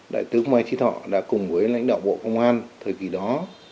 đại tướng mai trí thọ đã cùng với lãnh đạo bộ công an thời kỳ đó